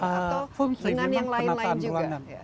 atau dengan yang lain lain juga